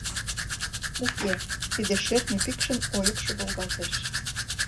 Уке, тиде шӧртньӧ пӱкшын ойыпшо волгалтеш.